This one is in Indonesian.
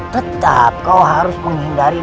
tetap kau harus menghindari